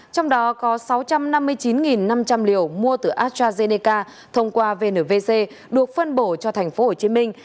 trong đó có sáu trăm năm mươi chín năm trăm linh liều mua từ astrazeneca thông qua vnvc được phân bổ cho thành phố hồ chí minh